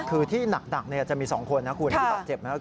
คือที่หนักจะมี๒คนนะคุณที่บาดเจ็บนะครับ